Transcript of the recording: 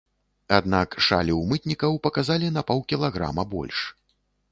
Аднак шалі ў мытнікаў паказалі на паўкілаграма больш.